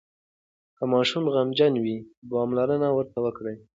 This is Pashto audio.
که ماشوم غمجن وي، پاملرنه ورته وکړئ.